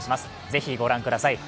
是非ご覧ください。